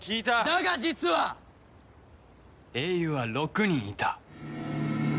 だが実は英雄は６人いた。